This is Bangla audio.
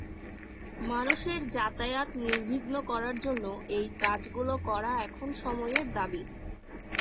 মানুষের যাতায়াত নির্বিঘ্ন করার জন্য এই কাজগুলো করা এখন সময়ের দাবি।